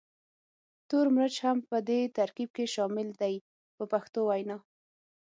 تور مرچ هم په دې ترکیب کې شامل دی په پښتو وینا.